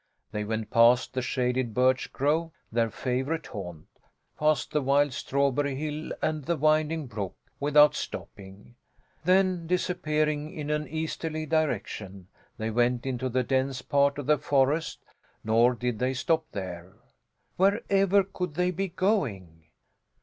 They went past the shaded birch grove, their favourite haunt, past the wild strawberry hill and the winding brook, without stopping; then, disappearing in an easterly direction, they went into the densest part of the forest; nor did they stop there. Wherever could they be going?